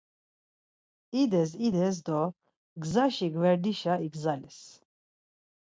İdes ides do gzaşi gverdişa igzales.